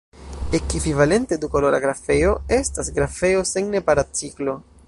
Ekvivalente, dukolora grafeo estas grafeo sen nepara ciklo.